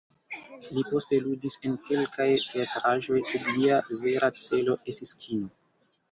Li poste ludis en kelkaj teatraĵoj, sed lia vera celo estis kino.